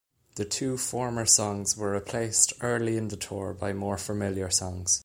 The two former songs were replaced early in the tour by more familiar songs.